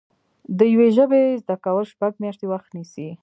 د یوې ژبې زده کول شپږ میاشتې وخت نیسي